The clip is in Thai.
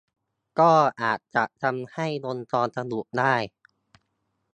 ก็อาจจะทำให้วงจรสะดุดได้